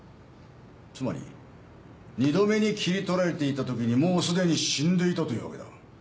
つまり二度目に切り取られていた時にもうすでに死んでいたというわけだ。